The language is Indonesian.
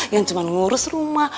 yang cuma ngurus rumah